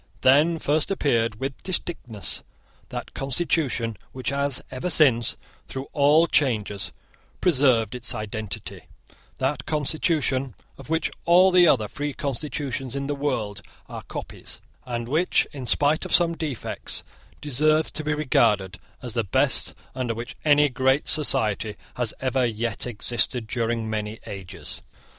Then first appeared with distinctness that constitution which has ever since, through all changes, preserved its identity; that constitution of which all the other free constitutions in the world are copies, and which, in spite of some defects, deserves to be regarded as the best under which any great society has ever yet existed during many ages.